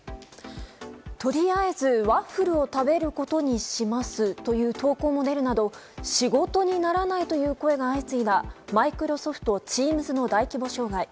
「とりあえずワッフル食べることにしました」という投稿も出るなど、仕事にならないという声が相次いだマイクロソフトＴｅａｍｓの大規模障害。